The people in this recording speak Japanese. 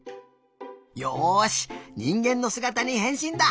よしにんげんのすがたにへんしんだ！